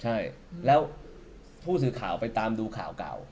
ใช่แล้วผู้สื่อข่าวไปตามดูข่าวเก่า